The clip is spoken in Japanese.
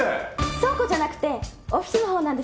倉庫じゃなくてオフィスのほうなんですけど。